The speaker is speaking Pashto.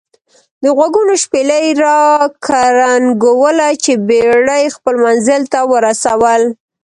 دغوږونو شپېلۍ را کرنګوله چې بېړۍ خپل منزل ته ورسول.